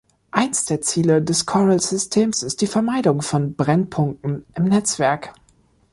Eins der Ziele des Coral-Systems ist die Vermeidung von Brennpunkten im Netzwerk.